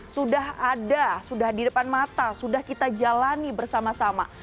sudah ada sudah di depan mata sudah kita jalani bersama sama